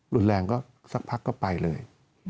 รุนแรงก็สักพักก็ไปเลย